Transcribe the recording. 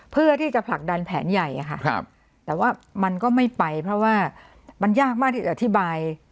เพื่อที่จะผลักดันแผนใหญ่ค่ะแต่ว่ามันก็ไม่ไปเพราะว่ามันยากมากที่จะอธิบาย